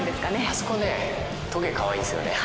あそこね棘かわいいんすよね。